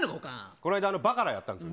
この間、ポーカーやったんですね。